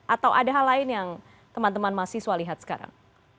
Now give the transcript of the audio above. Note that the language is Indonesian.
atau ada hal lain yang teman teman mahasiswa lihat sekarang